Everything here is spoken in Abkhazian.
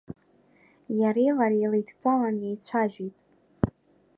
Иареи лареи леидтәалан иеицәажәеит.